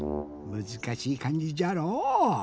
むずかしい「かんじ」じゃろう。